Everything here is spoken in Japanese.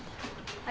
はい。